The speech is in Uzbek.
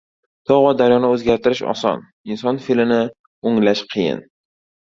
• Tog‘ va daryoni o‘zgartirish oson, inson fe’lini o‘nglash qiyin.